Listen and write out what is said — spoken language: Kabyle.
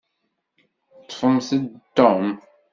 Ṭṭfemt-d Tom.